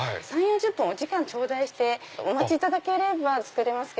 ３０４０分お時間頂戴してお待ちいただければ作れます。